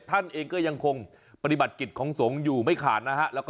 ท่านเองก็ยังคงปฏิบัติกิจของสงฆ์อยู่ไม่ขาดนะฮะ